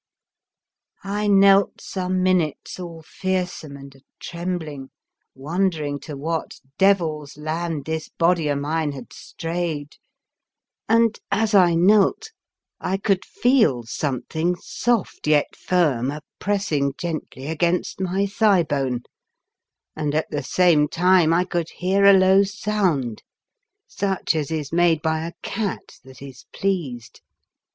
I knelt some minutes all fearsome and a trembling, wondering to what devil's land this body o' mine had strayed, and, as I knelt, I could feel 21 The Fearsome Island something soft yet firm a pressing gently against my thighbone, and at the same time I could hear a low sound such as is made by a cat that is pleased.